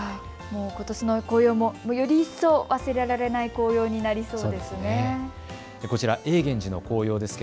ことしの紅葉もより一層忘れられない紅葉になりそうですね。